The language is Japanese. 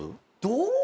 どう。